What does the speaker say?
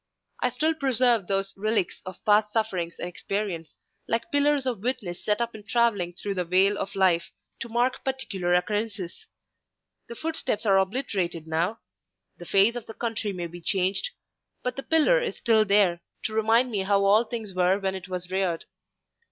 I still preserve those relics of past sufferings and experience, like pillars of witness set up in travelling through the vale of life, to mark particular occurrences. The footsteps are obliterated now; the face of the country may be changed; but the pillar is still there, to remind me how all things were when it was reared.